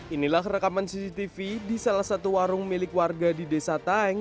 inilah rekaman cctv di salah satu warung milik warga di desa taeng